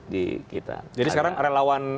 di kita jadi sekarang relawan